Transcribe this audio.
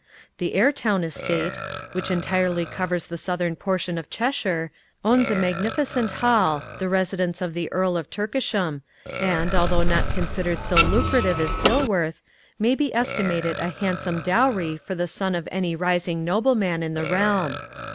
The Ayrtown Estate, which entirely covers the southern portion of Cheshire, owns a magnificent Hall, the residence of the Earl of Tukesham, and, although not considered so lucrative as Dilworth, may be estimated a handsome dowry for the son of any rising nobleman in the realm.